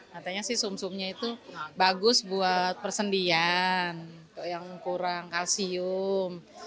katanya sih sum sumnya itu bagus buat persendian yang kurang kalsium